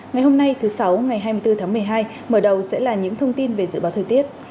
ngày hôm nay thứ sáu ngày hai mươi bốn tháng một mươi hai mở đầu sẽ là những thông tin về dự báo thời tiết